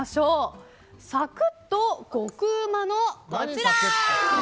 サクッと極うまのこちら。